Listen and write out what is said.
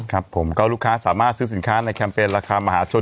ครับผมก็ลูกค้าสามารถซื้อสินค้าในแคมเปญราคามหาชน